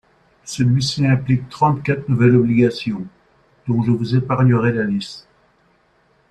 Celui-ci implique trente-quatre nouvelles obligations, dont je vous épargnerai la liste.